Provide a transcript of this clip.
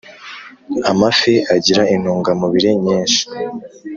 amafi agira intungamubiri nyinshi.